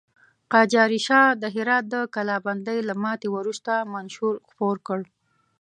قاجاري شاه د هرات د کلابندۍ له ماتې وروسته منشور خپور کړ.